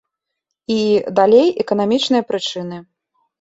І, далей, эканамічныя прычыны.